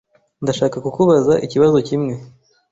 Ndashaka kukubaza ikibazo kimwe.